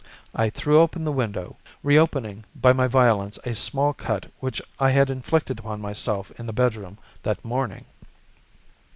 I threw open the window, reopening by my violence a small cut which I had inflicted upon myself in the bedroom that morning.